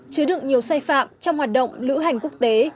chứa đựng nhiều sai phạm trong hoạt động lữ hành quốc tế